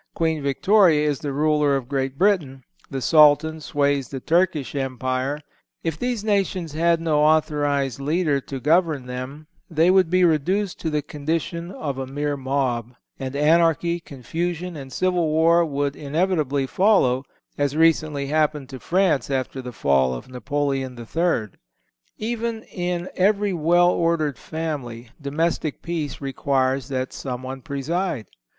Queen Victoria is the ruler of Great Britain. The Sultan sways the Turkish Empire. If these nations had no authorized leader to govern them they would be reduced to the condition of a mere mob, and anarchy, confusion and civil war would inevitably follow, as recently happened to France after the fall of Napoleon III. Even in every well ordered family, domestic peace requires that someone preside.